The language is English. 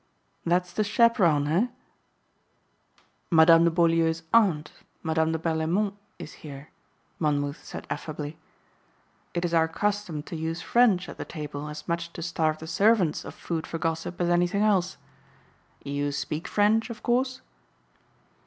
"That's the chaperon, eh?" "Madame de Beaulieu's aunt, Madame de Berlaymont, is here," Monmouth said affably. "It is our custom to use French at the table as much to starve the servants of food for gossip as anything else. You speak French of course?"